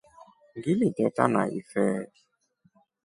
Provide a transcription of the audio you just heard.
Ngili teta na ifee.